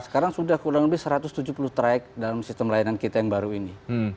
sekarang sudah kurang lebih satu ratus tujuh puluh track dalam sistem layanan kita yang baru ini